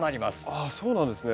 あそうなんですね。